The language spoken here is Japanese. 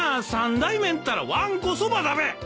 三大麺ったらわんこそばだべ！